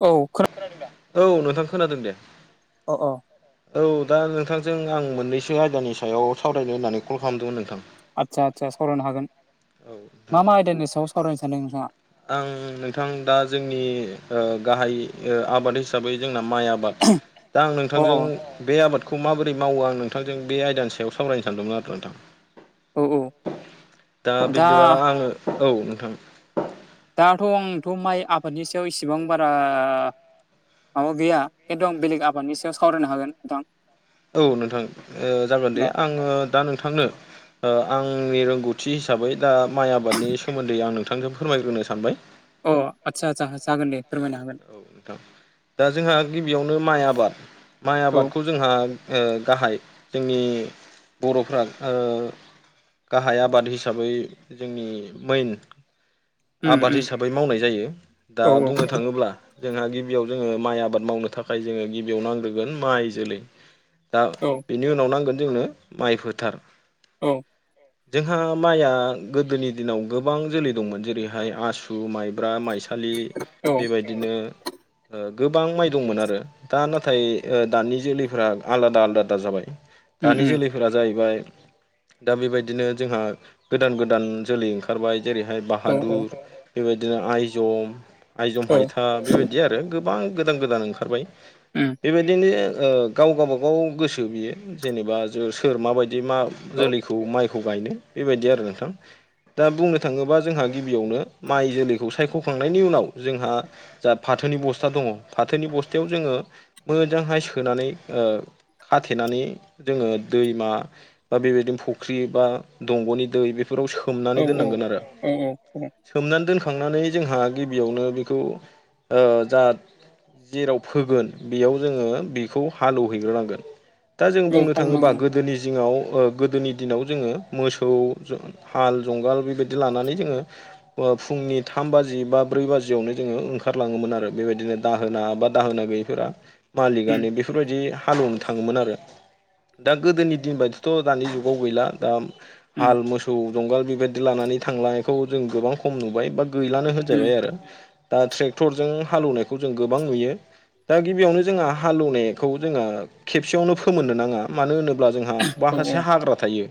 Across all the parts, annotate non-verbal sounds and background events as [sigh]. औ खोना खोनादों दा औ नोंथां खोनादों दे अ अ औ दा नोंथांजों आं मोननैसो आयदानि सायाव सावरायनो होननानै कल खालामदोंमोन नोंथां आदसा आदसा सावरायनो हागोन मा मा आयदानि सायाव सावरायनो सानदों नोंथाङा आं नोंथां दा जोंनि गाहाय आबाद हिसाबै जोंना माइ आबाद दा आं नोंथांजों बे आबादखौ माबोरै मावो आं नोंथांजों बे आयदानि सायाव सावरायनो सानदोंमोन आरो नोंथां दा बिब्दिबा आङो औ नोंथां दाथ' आंथ' माइ आबादनि सायाव इसेबां बारा माबा गैया एकदम बेलेग आबादनि सायाव सावरायनो हागोन नोंथां औ नोंथां जागोन दे आङो दा नोंथांनो आंनि रोंगौथि हिसाबै दा माइ आबादनि सोमोनदै आं नोंथांजों फोरमायग्रोनो सानबाय अ आदसा आदसा जागोन दे औ नोंथां दा जोंहा गिबियावनो माइ आबाद माइ आबादखौ जोंहा ओ गाहाय जोंनि बर'फ्रा ओ गाहाय आबाद हिसाबै जोंनि मेइन आबाद हिसाबै मावनाय जायो दा बुंनो थाङोब्ला जोंहा गिबियाव जोङो माइ आबाद मावनो थाखाय जोङो गिबियाव नांग्रोगोन माइ जोलै दा औ बेनि उनाव नांगोन जोंनो माइ फोथार औ जोंहा माइआ गोदोनि दिनाव गोबां जोलै दंमोन जेरैहाय आसु माइ ब्रा माइसालि बेबायदिनो ओ गोबां माइ दंमोन आरो दा नाथाय ओ दानि जोलैफोरा आलादा आलादा आलादा जाबाय दानि जोलै फोरा जाहैबाय दा बेबायदिनो जोंहा गोदान गोदान जोलै ओंखारबाय जेरैहाय बाहादुर बेबायदिनो आइजम आइजम हाय ओ बेबायदि आरो गोबां गोदान गोदान ओंखारबाय बेबायदिनो ओ गाव गावबागाव गोसो बियो जेनेबा सोर माबायदि मा जोलैखौ माइ खौ गायनो बेबायदि आरो नोंथां दा बुंनो थाङोबा जोंहा गिबियावनो माइ जोलैखौ सायख'खांनायनि उनाव जोंहा जा फाथोनि बस्था दङ फाथोनि बसथायाव जोङो मोजांहाय सोनानै ओ खाथेनानै जोङो दैमा बा बेबायदिनो फुख्रि बा दंग'नि दै बेफोराव सोमनानै दोननांगोन आरो सोमनानै दोनखांनानै जोंहा गिबियावनो बेखौ ओ जा जेराव फोगोन बेयाव जोङो बेखौ हालेवहैग्रोनांगोन दा जों बुंनो थाङोबा गोदोनि जिङाव ओ गोदोनि दिनाव जोङो मोसौ हाल जुंगाल बेबायदि लानानै जोङो ओ फुंनि थाम बाजि बा ब्रै बाजियावनो जोङो ओंखा रलाङोमोन आरो बेबायदिनो दाहोना बा दाहोना गैयैफोरा मालिकआनो बेफोरबायदि हाल एवनो थाङोमोन आरो दा गोदोनि दिन बायदिथ' दानि जुगाव गैला दा हाल मोसौ जंगाल बेबायदि लानानै थांलानायखौ जों गोबां खम नुबाय बाट गैलानो होनजाबाय आरो दा ट्रेक्टरजों हाल एवनायखौ जों गोबां नुयो दा गिबियावनो जोंहा हाल एनायखौ जोङो खेबसेयावनो फोमोननो नाङा मानो होनो ब्ला जोंहा माखासे हाग्रा थायो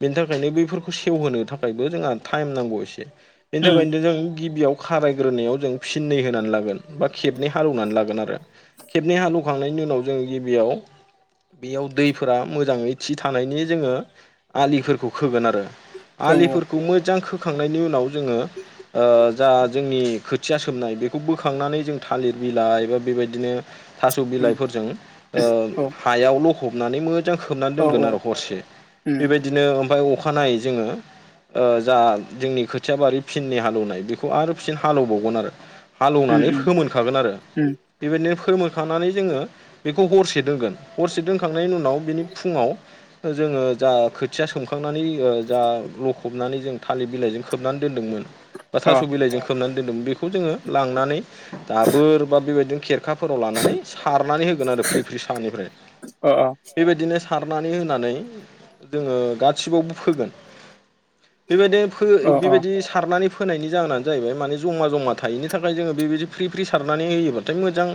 बेनि थाखायनो बैफोरखौ सेवहोनो थाखायबो जोंहा टाइम नांगौ एसे बेनि थाखायनो जों गिबियाव खारायग्रोनायाव जों फिननै होनानै लागोन बा खेबनै हालौनानै लागोन आरो। खेबनै हालौखांनायनि उनाव जों गिबियाव बेयाव दैफोरा मोजाङै थि थानायनि जोङो आलिफोरखौ खोगोन आरो। आलिफोरखौ मोजां खोखांनायनि उनाव जोङो ओ जा जोंनि खोथिया बुथुमनाय बेखौ बोखांनानै जों थालिर बिलाइ एबा बेबायदिनो थास' बिलाइफोरजों ओ हायाव लखबनानै मोजां खोबनानै दोनगोन आरो हरसे बेबायदि बिदिनो ओमफाय अखानायै जोङो ओ जा जोंनि खोथिया बारि फिननै हालेवनाय बेखौ आरो फिन हालेवबावगोन आरो। हालौनानै फोमोनखागोन आरो बेबायदिनो फोमोनखानानै जोङो बेखौ हरसे दोनगोन हरसे दोनखांनायनि उनाव बिनि फुङाव जोङो जा खोथिया सोमखांनानै जा लखबनानै जों थालिर बिलाइजों खोबनानै दोनदोंमोन। बा थास' बिलाइजों खोबनानै दोन्दोंमोन बेखौ जोङो लांनानै दाबोर बा बेबायदिनो खेर खाफोराव लानानै सारनानै होगोन आरो फ्रि फ्रि सानिफ्राय बेबायदिनो सारनानै होनानै जोङो गासिबावबो फोगोन। बेबायदिनो बेबायदि सारनानै फोनायनि जाहोनानो जाहैबाय माने जमा जमा थायैनि थाखाय जोङो बेबायदि फ्रि फ्रि सारनानै होयोबाथाय मोजां।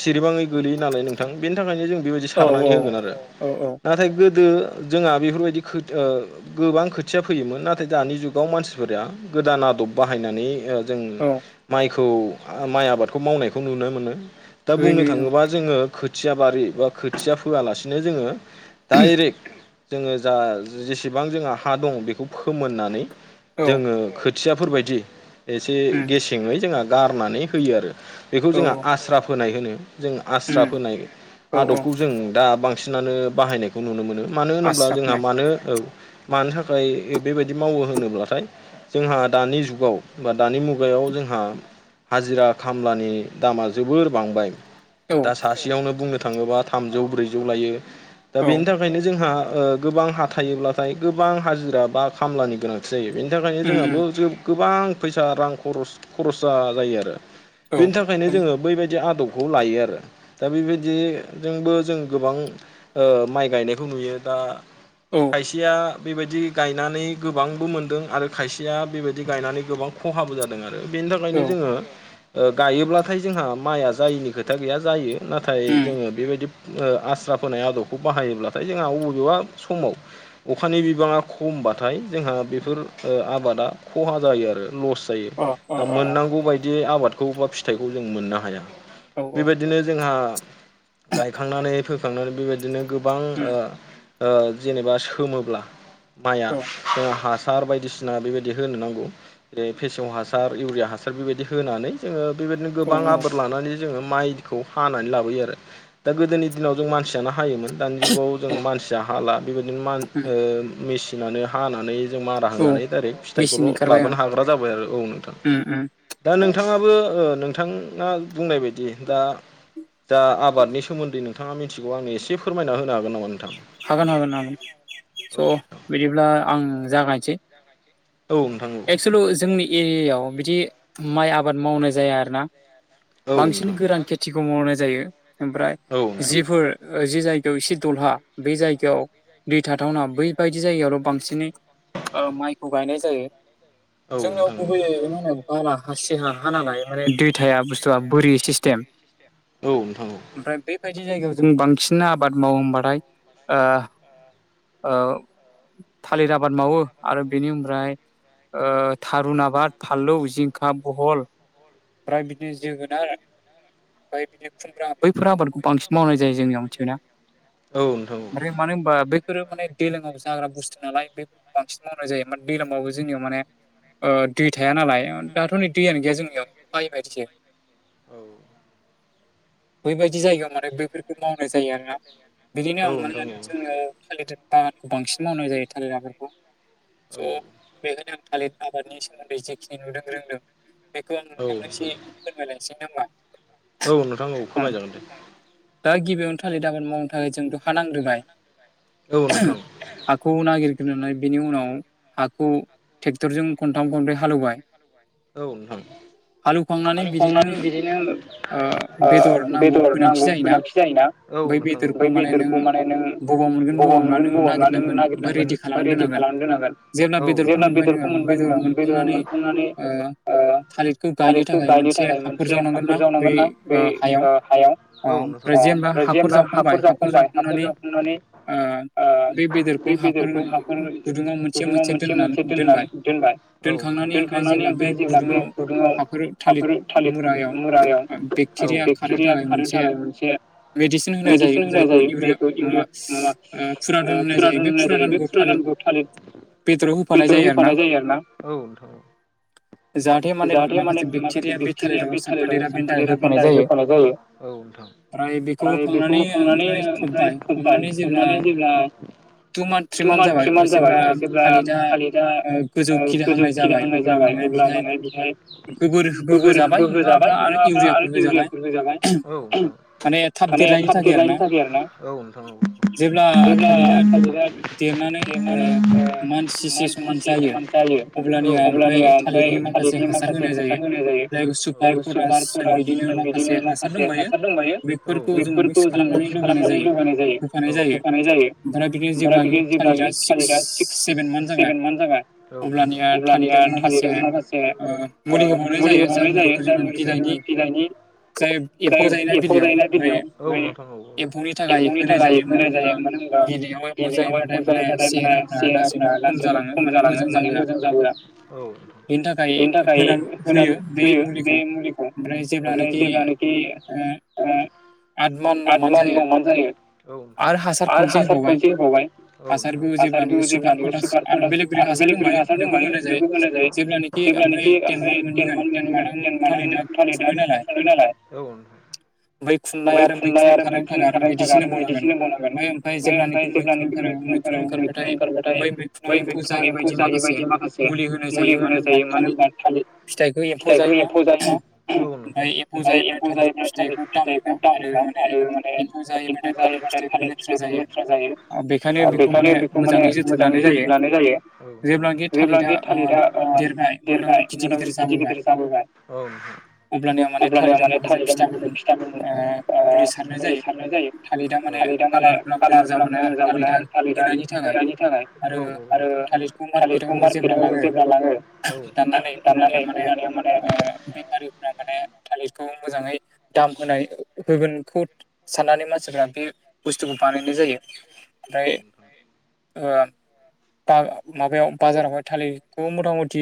सिरिबाङै गोलैयो नालाय नोंथां बेनि थाखायनो जों बेबायदि सारनानै होगोन आरो। नाथाय गोदो जोंहा बेफोरबायदि खो ओ गोबां खोथिया फैयोमोन नाथाय दानि जुगाव मानसिफोरा गोदान आदब बाहायनानै जों माइखौ माइ आबादखौ मावनायखौ नुनो मोनो दा बुंनो थाङोबा जोङो जोथिया बारि बा खोथिया फोआलासेनो जोङो दाइरेक्ट जोङो जा जेसेबां जोंहा हा दं बेखौ फोमोननानै जोङो खोथियाफोरबायदि एसे गेसेङै जोंहा गारनानै होयो आरो। बेखौ जोंहा आस्रा फोनाय होनो जों आस्रा फोनाय आदबखौ जों दा बां बांसिनानो बाहायनायखौ नुनो मोनो मानो होनोब्ला जोंहा मानो मानि थाखाय बेबायदि मावो होनोब्लाथाय जोंहा दानि जुगाव बा दानि मुग जुगायाव जोंहा हाजिरा खामलानि दामा जोबोर बांबाय। दा सासेयावनो बुंनो थाङोबा थामजौ ब्रैजौ लायो दा बेनि थाखाय बेायनो जोंहा गोबां हा थायोब्लाथाय गोबां हाजिरा बा खामलानि गोनांथि जायो बेनि थाखायनो जोंहाबो गोबां फैसा रां खरस खरसा जायो आरो। बिनि थाखाय ओंखायनो जोङो बैबायदि आदबखौ लायो आरो दा बेबायदिजोंबो जों गोबां ओ माइ गायनायखौ नुयो दा औ खायसेया बेबायदि गायनानै गोबांबो मोनदों आरो खायसेया बेबायदि गायनानै गोबां खहाबो जादों। आरो बेनि थाखायनो जोङो ओ गायोब्लाथाय जोंहा माइआ जायिनि खोथा गैया जायो। नाथाय जोङो बेबायदि ओ आस्रा फोनाय आदबखौ बाहायोब्लाथाय जोंहा अबेबा समाव अखानि बिबाङा खमबाथाय जोंहा बेफोर आबादा खहा जायो आरो लस जायो। दा मोननांगौ बायदि आबादखौ बा फिथाइखौ जों मोननो हाया बेबायदि बिदिनो जोंहा गायखांनानै फोखांनानै बेबायदिनो गोबां ओ जेनेबा सोमोब्ला माइया ओ हासार बायदिसिना सिना बेबायदि होनो नांगौ जै फेसेव हासार इउरिया हासार बेबायदि होनानै जोङो बेबायदिनो गोबां आबोद लानानै जोङो माइखौ हानानै लाबोयो आरो दा गोदोनि दिनाव जों मानसियानो हायोमोन। दानि जुगाव जों मानसिया हाला बेबायदिनोान मेसिनानो हानानै जों मारा होनानै दडाइरेक्ट फिथाइखौल' लाबोनो हाग्रा जाबाय आरो औनो ओम ओम दा नोंथाङाबो ओ नोंथाङा बुंनाय बायदि दा दा आबादनि सोमोन्दै नोंथाङा मिथिगौ आंनो एसे फोरमायना होनो हागोन नामा नोंथां? हागोन हागोन हागोन स' बिदिब्ला आं जागायसै। औ नोंथां औ। एक्सुलु जोंनि एरियायाव बिदि माइ आबाद मावनाय जाया आरो ना। बांसिन गोरान खेथिखौ मावनाय जायो ओमफ्राय जिफोर ओ जि जायगायाव एसे दलहा बे जायगायाव दै थाथावना बैबायदि जायगायावल' बांसिनै ओ माइखौ गायनाय जायो जोंनियाव गुबैयै मा होनो [unintelligible] हा सिहा हाखा नालाय माने दै थाया बुस्थुआ बोरि सिस्टेम। औ नोंथां औ। ओमफ्राय बेबायदि जायगायाव जों बांसिन आबाद मावो होमबाथाय ओ ओ थालिर आबाद मावो आरो बेनि उननिफ्राय ओ थारुन आबाद, फानलौ, जिंखा, बहल ओमफ्राय बिदिनो जोगोनार ओमफाय बिदिनो खुमब्रा बैफोर आबादखौ बांसिन मावनाय जायो जोंनियाव मिथिबायना। औ नोंथां औ मानो होनबा बेफोरो माने दैलाङाव जाग्रा बुस्थु नालाय बेफोरखौ बांसिन मावनाय जायो माने दैलाङावबो जोंनियाव माने ओ दै थाया नालाय दाथ' नै दैयानो गैया जोंनियाव [unintelligible] बायदिसो औ। बैबायदि जायगायाव माने बैफोरखौ मावनाय जायो आरोना। बिदिनो आं माने जोङो थालिर [unintelligible] बांसिन मावनाय जायो थालिर आबादखौ। स' बेखायनो आं थालिर आबादनि सोमोन्दै जेखिनि नुदों रोंदों बेखो आं नोंथांनो एसे फोरमायलायसै नोङा होमबा। औ नोंथां औ फोरमायजागोन दे। दा गिबियावनो थालिर दामानि मावनो थाखाय जों दखा नांग्रोबाय। औ नोंथां औ। हाखौ नागिरग्रोनानै बेनि उनाव हाखौ ट्रेक्टरजों खनथाम खनब्रै हाल एवबाय औ नोंथां। [unintelligible] खांनानै बिदिनो ओ बेदर नांगौ गोनांथि जायोना। औ नोंथां औ। ओमफ्राय बेदरखौ माने नों बबाव मोनगोन बबाव मोना नों नागिरनांगोन। बा रेडि खालामना दोननांगोन औ जेब्ला बेदरखौ मोनबाय नोङो बेदर मोनखांनानै ओ थालिरखौ गायनो थाखाय मोनसे हाखर जावनांगोन ना बै ओ हायाव औ नोंथां। ओ ओमफ्राय जेनेबा हाखर जावखांबाय हाखर जावखांनानै ओ बे बेदरखौ हाखर गुुदुङाव मोनसे मोनसे दोननानै दोनबाय औ दोनखांनानै माने जेब्ला बै गुदुङाव हाखर थालिर मुरायाव बैफोर औ। [unintelligible] खानो थाखाय मोनसे मेडिसिन होनाय जायो जायखौ इउरिया माबा ओ फुरादन होनाय जायो बे फुरादनखौ थालिद बेदराव बेदराव होफानाय जायो आरो ना। औ नोंथां औ। जाहाथे माने माखासे बेक्टेरिया बे थालिराव साफादेरा बेनिथाखाय होफानाय जायो। औ नोंथां। आरो बेखौ होखांनानै ओमफ्राय फबबाय फबनानै जेब्ला टु मान्थ थ्रि मान्थ जाबाय ओ जेब्ला थालिदा ओ गोजौ खिहांनाय जाबाय होमबा माने बेहाय गोबोरबो होजाबाय नोङाबा आरो इउरियाफोर होजाबाय। माने थाब देरनायनि थाखाय आरो ना। औ नोंथांऔ। [inaudible] [unintelligible] समान जायो औ अब्लानिया ओमफ्राय थालिरनि माखासे हासार होनाय जायो जायखौ सुपार प्रदास बिदिनो माखासे हासार दंबायो। बेफोरखौ जों मिक्स खालामनानै लगायनाय जायो होखानाय जायो ओमफ्राय बिदि जेब्ला थारिरआ सिक्स सेभेन मानत जागाय औ अब्लानिया माखासे मुलि होबावनाय जायो जाय मुलिखौ जोङो बिलाइनि एम्फौ जायोना बिलायाव एम्फौनि थाखाय होनाय जायो माने गेले जायोबाथाय माने [unintelligible] लासैनो खम जालाङो माने मोजां जाबोआ बेनि थाखाय होनां होयो बे मुलिखौ ओमफ्राय जेब्लानोखि आद मान न'मान जायो आरो हासार खनसे होबावबाय औ नोंथां हासारबो जेब्लानो सुपार फास आरो बेलेग बेलेग हासार दंबायो बेखौ होनाय जायो जेब्लानाखि ओमफ्राय टेन मान्थ मोनहैगोन टेन मान्थ आं थाललि दा थांबाय नालाय मैखुननाय आरो मैखुन ओंखारनायनि थाखाय आरो मेडिसिन होनबावनांगोन ओमफ्राय ओमफ्राय जब्लानाखि मैखुन मैखुन ओंखारबाथाय बै मैखुनाव एम्फौ जायैबायदि माखासे मुलि होनाय माने बे खालि फिथाइखौ एम्फौ जायोना ओमफ्राय एम्फौ जायोब्ला थालिर फिथाइखौ दानो आरो माने एम्फौ जायोबा दा थालिर फिथाय लेथ्रा जायो बेखायनो बेखौ माने मोजाङै जोथोन लानाय जायो जेब्लानोखि थालिरा [unintelligible] अब्लनिया माने थालिराव माखासे फिथा ओ बोरै सारनाय जायो थालिरदा माने पालारफ मोजां जाबोनाय आरो थालिर दा होनायनि थाखाय आरो थालिरखौ मार्केटआव जेब्ला लाङो दाननानै अब्लानिया माने बेफारिफ्रा माने थालिरखौ मोजाङै दाम होनाय होगोनखौ साननानै मानसिफ्रा बे बुस्थुखौ बानायनाय जायो ओमफ्राय बा माबायाव बाजारावहाय थालिरखौ मथा मथि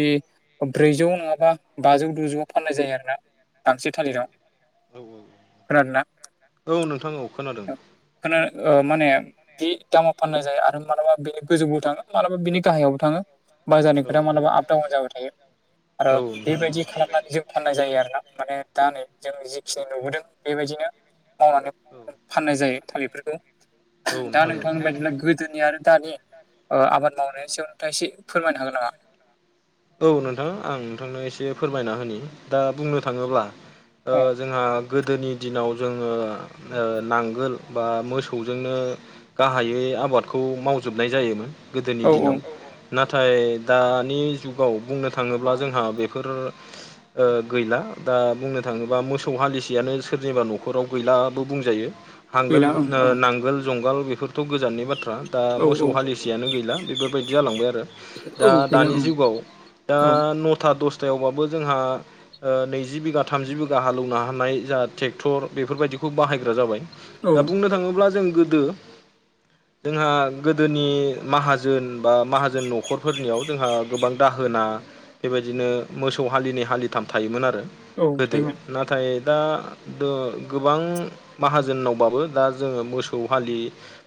ब्रैजौ नङाबा बाजौ गुजौआव फाननाय जायो आरोना दांसो थालिराव खोनादोंना औ खोनो माने बे दामाव फाननाय जायो आरो मालाबा बे गोजौबो थाङो मालाबा बिनि गाहायावबो थाङो बाजारनि खोथा मालाबा आप डाउन जाबाय थायो आरो बेबायदि खालाम [unintelligible] जों फाननाय जायो आरो ना माने दा नै जों जिखिनि नुबोदों बेबायदिनो [unintelligible] फाननाय जायो थालिरफोरखौ दा नोंथां बायदिब्ला गोदोनि आरो दानि ओ आबाद मावनायनि सायावनोथा एसे फोरमायनो हागोन नामा? औ नोंथां आं नोंथांनो एसे फोरमायना होनि दा बुंनो थाङोब्ला ओ जोंहा गोदोनि दिनाव जोङो ओ नांगोल बा मोसौजोंनो गाहायै आबादखौ मावजोबनाय जायोमोन गोदोनि दिनाव नाथाय दानि जुगाव बुंनो थाङोब्ला जोंहा बेफोर ओ गैला दा बुंनो थाङोबा मोसौ हालिसेयानो सोरनिबा न'खराव गैलाबो बुंजायो नांगोल ओ नांगोल जुंगाल बेफोरथ' गोजाननि बाथ्रा दा मोसौ हालि सेयानो गैला बेफोरबायदि जालांबाय आरो औ [unintelligible] जुगाव दा नथा दसथायावबाबो जोंहा ओ नैजि बिगा थामजि बिघा हालौनो हानाय जा ट्रेक्टर बेफोरबायदिखौ बाहायग्रा जाबाय दा बुंनो थाङोब्ला जों गोदो [inaudible] जोंहा गोदोनि माहाजोन बा माहाजोन न'खरफोरनियाव जोंहा गोबां दाहोना बेबायदिनो मोसौ हालिनै हालिथाम थायोमोन आरो गोदो नाथाय दा गो गोबां माहाजोननावबाबो दा जोङो मोसौ हालि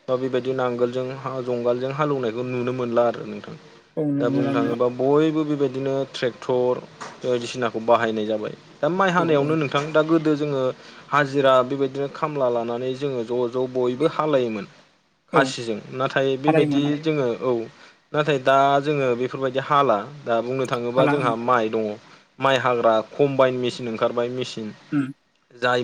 बा बेबायदि नांगोलजों जंगालजों हालेएवनायखौ नुनो मोनला आरो नोंथां [unintelligible] बा बयबो बेबायदिनो ट्रेक्टर बायदिसिनाखौ बाहायनाय जाबाय दा माइ हानायावनो नों थां दा गोदो जोङो हाजिरा बेबायदिनो खामला लानानै जोङो ज' ज' बयबो हालायोमोन खासिजों नाथाय बेबायदि जोङो औ नाथाय दा जोङो बे बेफोरबायदि हाला दा बुंनो थाङोबा जोंहा माइ दङ माइ हाग्रा कम्बाइन मेचिन ओंखारबाय मेसिन उम जायो